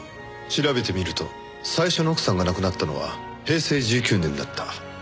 調べてみると最初の奥さんが亡くなったのは平成１９年だった。